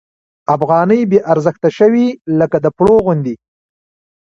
افغانۍ بې ارزښته شوې لکه د پړو غوندې.